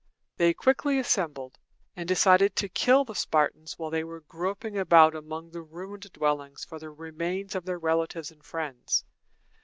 They quickly assembled, and decided to kill the Spartans while they were groping about among the ruined dwellings for the remains of their relatives and friends.